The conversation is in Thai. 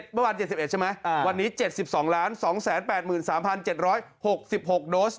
เมื่อวาน๗๑ใช่ไหมวันนี้๗๒๒๘๓๗๖๖โดส